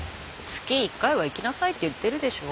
月１回は行きなさいって言ってるでしょ。